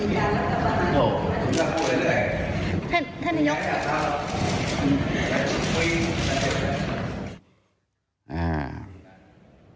ท่านนายก